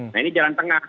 nah ini jalan tengah